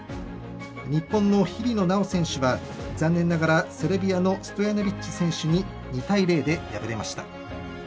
日本の日比野菜緒選手は残念ながらセルビアのストヤノビッチ選手に２対０で敗れました。